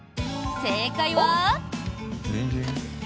正解は。